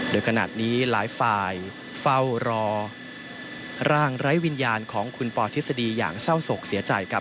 โดยขนาดนี้หลายฝ่ายเฝ้ารอร่างไร้วิญญาณของคุณปอทฤษฎีอย่างเศร้าศกเสียใจครับ